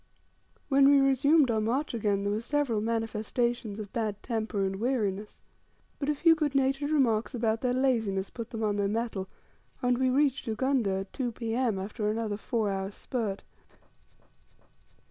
When we resumed our march again there were several manifestations of bad temper and weariness. But a few good natured remarks about their laziness put them on their mettle, and we reached Ugunda at 2 P.M. after another four hours' spurt.